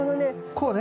こうね。